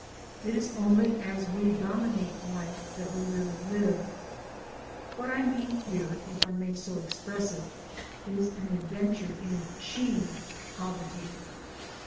It is only as we dominate life that we really live. What I mean here, if I may so express it, is an adventure in achieved poverty.